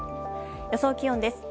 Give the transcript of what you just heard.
予想気温です。